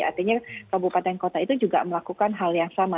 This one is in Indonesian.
artinya kabupaten kota itu juga melakukan hal yang sama